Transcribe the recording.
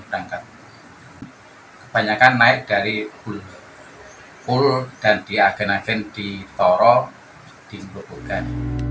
menangkap kebanyakan naik dari bulu bulu dan diagen agen di torol di bubukan